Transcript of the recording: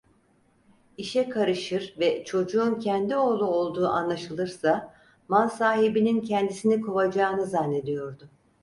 İşe karışır ve çocuğun kendi oğlu olduğu anlaşılırsa mal sahibinin kendisini kovacağını zannediyordu.